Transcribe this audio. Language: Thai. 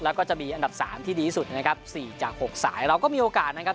แล้วก็จะมีอันดับสามที่ดีที่สุดนะครับ๔จาก๖สายเราก็มีโอกาสนะครับ